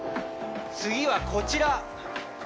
次はこちら。